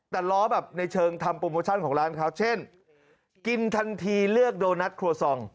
แต่ล้อแบบในเชิงทำโปรโมชั่นของร้านเขาเช่นกินทันทีเลือกโดนัทครัวซอง